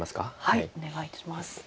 はいお願いいたします。